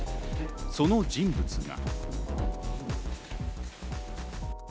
その人物が。